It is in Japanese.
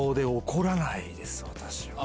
私は。